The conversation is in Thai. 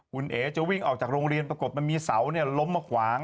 คุณเอ๋จะวิ่งออกจากโรงเรียนปรากฏมันมีเสาล้มมาขวาง